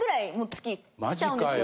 月しちゃうんですよ。